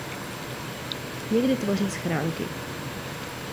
Někdy tvoří schránky.